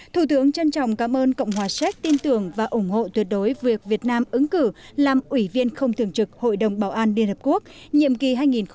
thủ tướng trân trọng cảm ơn cộng hòa séc tin tưởng và ủng hộ tuyệt đối việc việt nam ứng cử làm ủy viên không thường trực hội đồng bảo an liên hợp quốc nhiệm kỳ hai nghìn hai mươi hai nghìn hai mươi một